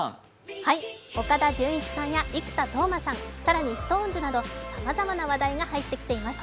岡田准一さんや生田斗真さん、更にＳｉｘＴＯＮＥＳなど、さまざまな話題が入ってきています。